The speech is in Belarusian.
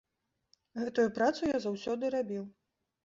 Гэтую працу я заўсёды рабіў.